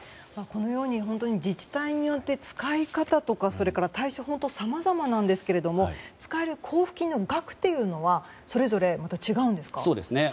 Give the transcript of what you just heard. このように自治体によって使い方とかそれから対処法とさまざまなんですが使える交付金の額というのはそれぞれ違うんですか？